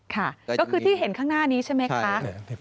ค่ะก็คือที่เห็นข้างหน้านี้ใช่ไหมคะ